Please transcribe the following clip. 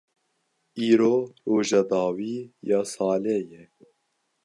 Îro roja dawî ya salê ye.